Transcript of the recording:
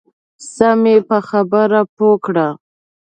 سم یې په خبره پوه کړه.